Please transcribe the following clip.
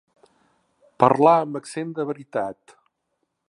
Parlar amb accent de veritat.